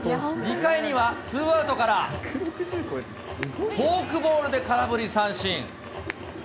２回には、ツーアウトから、フォークボールで空振り三振。